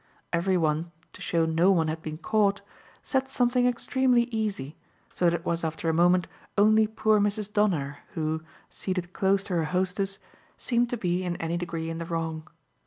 Every one, to show no one had been caught, said something extremely easy; so that it was after a moment only poor Mrs. Donner who, seated close to her hostess, seemed to be in any degree in the wrong.